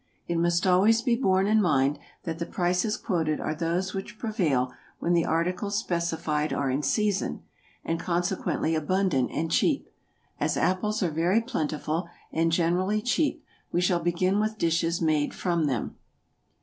It must always be borne in mind that the prices quoted are those which prevail when the articles specified are in season, and consequently abundant and cheap. As apples are very plentiful, and generally cheap, we shall begin with dishes made from them.